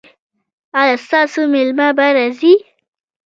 ایا ستاسو میلمه به راځي؟